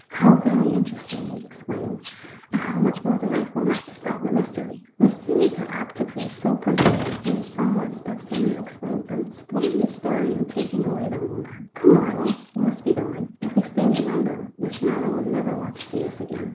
" How very interesting !" he exclaimed ;" and how much more delightful not to solve the mystery! Mys THE ROMANCE OF A SPOON. 2O3 teries are apt to prove so very prosaic when some one steps in and explains them, spoiling the story and taking away the romance. Come, Marlowe, we must be going. If we stay any longer, Miss Mary land will never want to see us again."